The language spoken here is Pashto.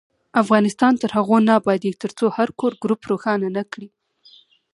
افغانستان تر هغو نه ابادیږي، ترڅو هر کور ګروپ روښانه نکړي.